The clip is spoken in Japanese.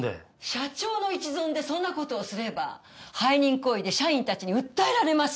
社長の一存でそんな事をすれば背任行為で社員たちに訴えられますよ。